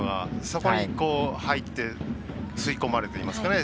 そこに入って吸い込まれるといいますか。